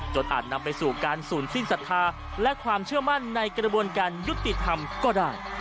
อาจนำไปสู่การศูนย์สิ้นศรัทธาและความเชื่อมั่นในกระบวนการยุติธรรมก็ได้